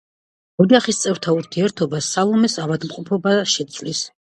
ოჯახის წევრთა ურთიერთობას სალომეს ავადმყოფობა შეცვლის.